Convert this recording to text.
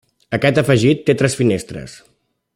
Aquest afegit té tres finestres.